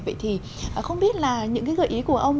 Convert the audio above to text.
vậy thì không biết là những cái gợi ý của ông